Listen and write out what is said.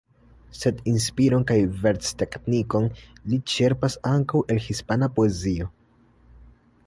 Sed inspiron kaj versteknikon li ĉerpas ankaŭ el hispana poezio.